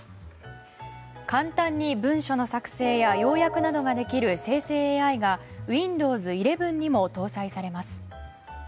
簡単に文書の作成や要約などができる生成ＡＩがＷｉｎｄｏｗｓ１１にも搭載されます。